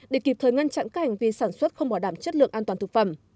để kịp thời ngăn chặn các hành vi sản xuất không bỏ đảm chất lượng an toàn thực phẩm